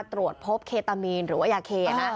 ตรวจพบเคตามีนหรือว่ายาเคนะ